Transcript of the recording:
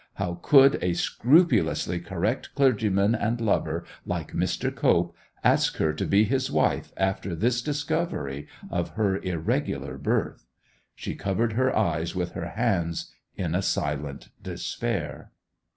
How could a scrupulously correct clergyman and lover like Mr. Cope ask her to be his wife after this discovery of her irregular birth? She covered her eyes with her hands in a silent despair.